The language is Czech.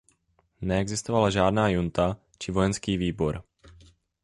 Neexistovala žádná junta či vojenský výbor.